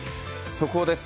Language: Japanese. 速報です。